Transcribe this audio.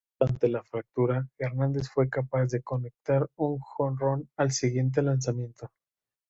No obstante la fractura, Hernández fue capaz de conectar un jonrón al siguiente lanzamiento.